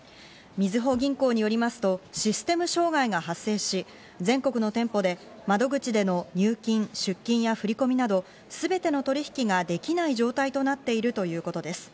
みずほ銀行によりますとシステム障害が発生し、全国の店舗で窓口での入金・出金や振り込みなど、すべての取引ができない状態となっているということです。